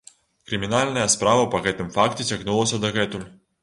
Крымінальная справа па гэтым факце цягнулася дагэтуль.